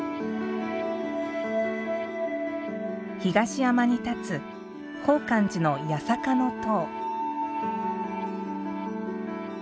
東山に立つ、法観寺の八坂の塔。